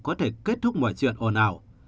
có thể kết thúc mọi chuyện ồn ảo